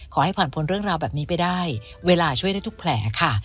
ขอให้ผ่านพ้นเรื่องราวแบบนี้ไปได้เวลาช่วยได้ทุกแผลค่ะ